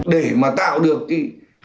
để mà tạo được thì